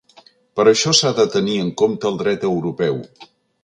Per això s’ha de tenir en compte el dret europeu.